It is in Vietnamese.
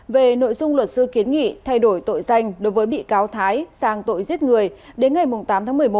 về nội dung luật sư kiến nghị thay đổi tội danh đối với bị cáo thái sang tội giết người đến ngày tám tháng một mươi một